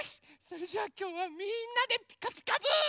それじゃあきょうはみんなで「ピカピカブ！」。